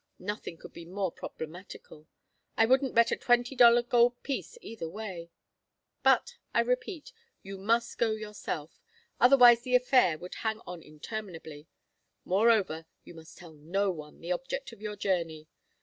Nothing could be more problematical. I wouldn't bet a twenty dollar gold piece either way. But, I repeat, you must go yourself. Otherwise the affair would hang on interminably. Moreover, you must tell no one the object of your journey.